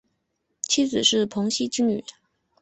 妻子是庞羲之女。